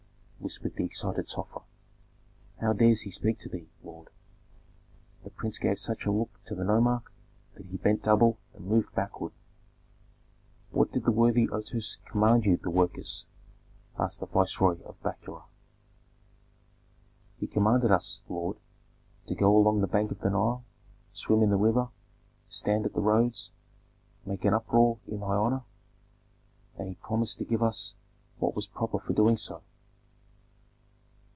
whispered the excited Sofra. "How dares he speak to thee, lord " The prince gave such a look to the nomarch that he bent double and moved backward. "What did the worthy Otoes command you the workers?" asked the viceroy of Bakura. "He commanded us, lord, to go along the bank of the Nile, swim in the river, stand at the roads, make an uproar in thy honor, and he promised to give us what was proper for doing so.